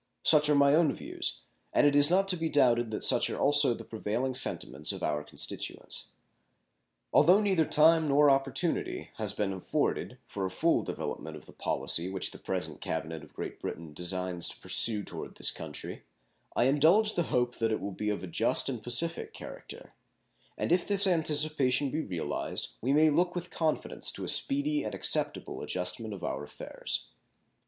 Such are my own views, and it is not to be doubted that such are also the prevailing sentiments of our constituents. Although neither time nor opportunity has been afforded for a full development of the policy which the present cabinet of Great Britain designs to pursue toward this country, I indulge the hope that it will be of a just and pacific character; and if this anticipation be realized we may look with confidence to a speedy and acceptable adjustment of our affairs.